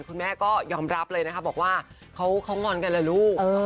คุณแม่ก็ยอมรับเลยนะคะบอกว่าเขางอนกันล่ะลูก